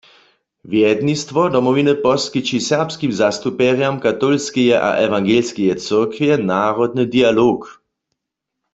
Wjednistwo Domowiny poskići serbskim zastupjerjam katolskeje a ewangelskeje cyrkwje narodny dialog.